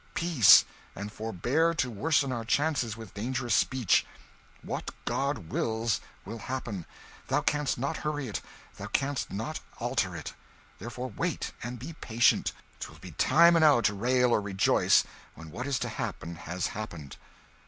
Peace! and forbear to worsen our chances with dangerous speech. What God wills, will happen; thou canst not hurry it, thou canst not alter it; therefore wait, and be patient 'twill be time enow to rail or rejoice when what is to happen has happened."